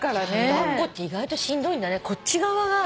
抱っこって意外としんどいんだねこっち側が。